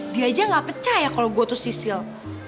dia aja gak percaya kalau gue tuh sisil